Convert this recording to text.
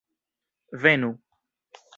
Venu!